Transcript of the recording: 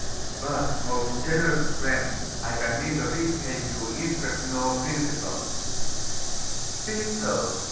'But; most generous of friends, I can neither repay you interest nor principal.' 'Be it so.